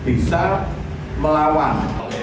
dan bisa melawan